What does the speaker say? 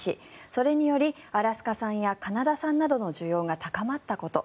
それによりアラスカ産やカナダ産などの需要が高まったこと。